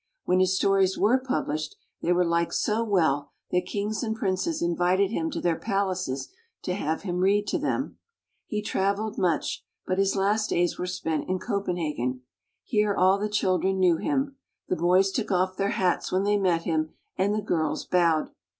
When his stories were published, they were liked so well that kings and princes in vited him to their palaces to have him read to them. He traveled much, but his last days were spent in Copen hagen. Here all the children knew him. The boys took off their hats when they met him and the girls bowed.